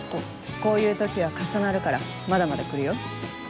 こういう時は重なるからまだまだ来るよ。